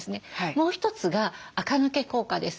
もう一つがあか抜け効果です。